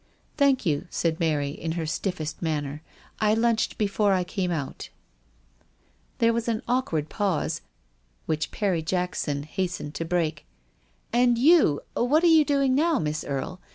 "Thank you," said Mary, in her stiffest manner. " I lunched before I came out." There was an awkward pause, which Perry Jackson hastened to break. " And you — what are you doing now, Miss Erie